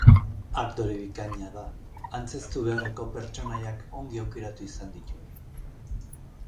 Aktore bikaina da, antzeztu beharreko pertsonaiak ongi aukeratu izan dituena.